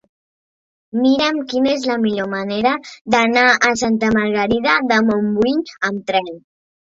Mira'm quina és la millor manera d'anar a Santa Margarida de Montbui amb tren.